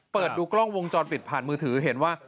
เปิดดูกล้องวงจรปิดผ่านมือถือเห็นว่า